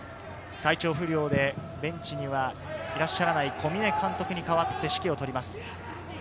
体調不良でベンチにはいらっしゃらない小嶺監督に代わって、指揮を執ります。